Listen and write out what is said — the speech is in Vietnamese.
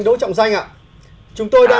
xin đỗ trọng danh ạ chúng tôi đang